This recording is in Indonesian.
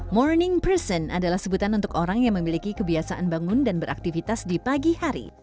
morning person adalah sebutan untuk orang yang memiliki kebiasaan bangun dan beraktivitas di pagi hari